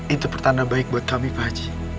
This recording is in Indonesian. itu pertanda baik buat kami pak haji